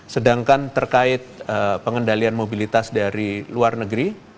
sedangkan terkait pengendalian mobilitas dari luar negeri